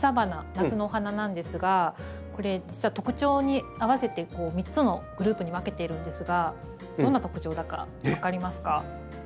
夏のお花なんですがこれ実は特徴に合わせて３つのグループに分けているんですがどんな特徴だか分かりますか？